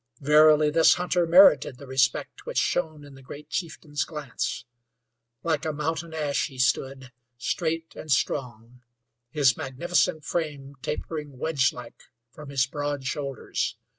Verily this hunter merited the respect which shone in the great chieftain's glance. Like a mountain ash he stood, straight and strong, his magnificent frame tapering wedge like from his broad shoulders.